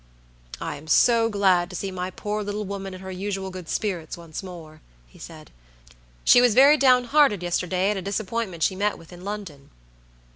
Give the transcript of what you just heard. "I am so glad to see my poor little woman in her usual good spirits once more," he said. "She was very down hearted yesterday at a disappointment she met with in London."